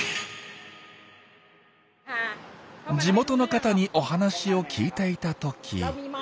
地元の方にお話を聞いていた時。